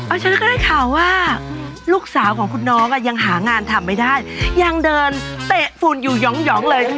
ฉันก็ได้ข่าวว่าลูกสาวของคุณน้องอ่ะยังหางานทำไม่ได้ยังเดินเตะฝุ่นอยู่หองเลย